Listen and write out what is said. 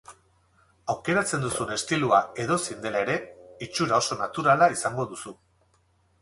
Aukeratzen duzun estiloa edozein dela ere, itxura oso naturala izango duzu.